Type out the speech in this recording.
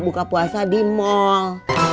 buka puasa di mall